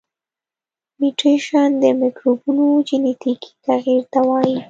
میوټیشن د مکروبونو جنیتیکي تغیر ته وایي.